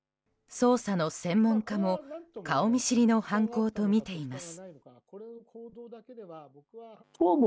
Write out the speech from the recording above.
捜査の専門家も顔見知りの犯行とみています。